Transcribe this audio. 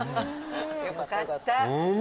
よかった